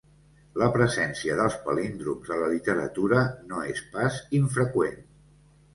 La presència dels palíndroms a la literatura no és pas infreqüent.